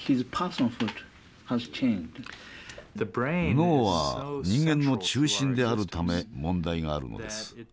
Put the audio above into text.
脳は人間の中心であるため問題があるのです。